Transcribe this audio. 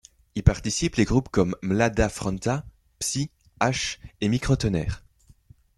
Y participent les groupes comme Mlada Fronta, Psy, Ash, et Microtonner.